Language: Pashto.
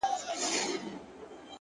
د حقیقت لاره که سخته وي ارزښت لري